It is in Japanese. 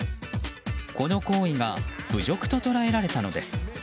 この行為が侮辱と捉えられたのです。